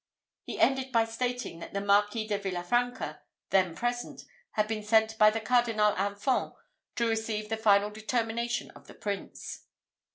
He ended by stating that the Marquis de Villa Franca, then present, had been sent by the Cardinal Infant to receive the final determination of the Prince.